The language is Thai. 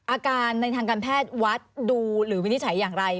อาการในทางการแพทย์วัดดูหรือวินิจฉัยอย่างไร